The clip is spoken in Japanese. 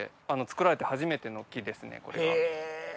作られて初めての木ですねこれが。